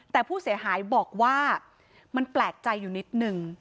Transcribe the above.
แต่ผู้เสียหายบอกว่ามันแปลกใจอยู่นิดนึง